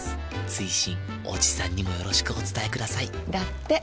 追伸おじさんにもよろしくお伝えくださいだって。